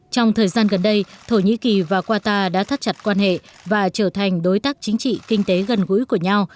trong thời gian gần đây thổ nhĩ kỳ và qatar đã thắt chặt quan hệ và trở thành đối tác chính trị kinh tế gần gũi của nhau